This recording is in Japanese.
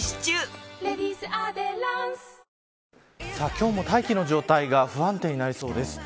今日も大気の状態が不安定になりそうです。